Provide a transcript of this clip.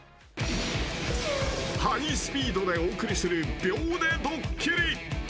ハイスピードでお送りする秒でドッキリ。